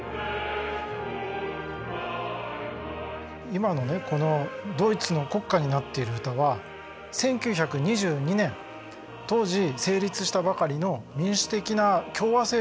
今のねこのドイツの国歌になっている歌は１９２２年当時成立したばかりの民主的な共和政